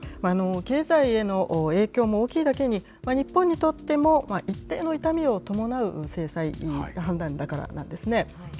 経済への影響も大きいだけに、日本にとっても、一定の痛みを伴う制裁、判断だからですね。